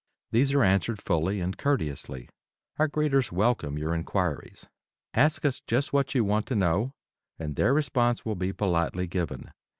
These are answered fully and courteously. Our greeters welcome your inquiries. Ask us just what you want to know, and their response will be politely given.